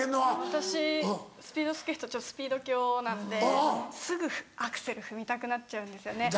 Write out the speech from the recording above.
私スピードスケートちょっとスピード狂なのですぐアクセル踏みたくなっちゃうんですよね。